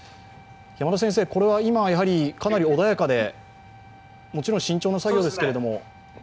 これは今、かなり穏やかでもちろん慎重な作業ですけれども。